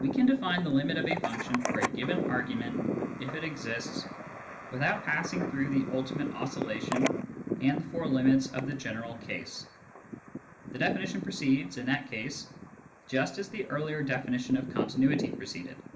We can define the limit of a function for a given argument (if it exists) without passing through the ultimate oscillation and the four limits of the general case. The definition proceeds, in that case, just as the earlier definition of continuity proceeded.